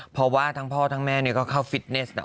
เพราะว่าทั้งพ่อทั้งแม่ก็เข้าฟิตเนส